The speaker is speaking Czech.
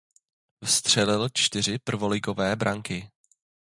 Vstřelil čtyři prvoligové branky.